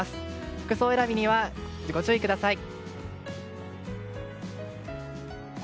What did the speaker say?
服装選びにはご注意ください。